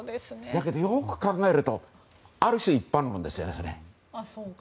だけど、よく考えるとある種の一般論ですよね。